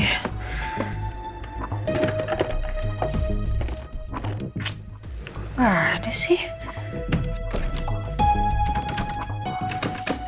gak ada sih